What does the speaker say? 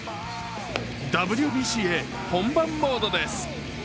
ＷＢＣへ本番モードです。